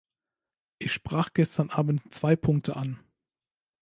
Ich sprach gestern abend zwei Punkte an.